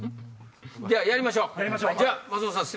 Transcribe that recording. じゃあやりましょう松本さん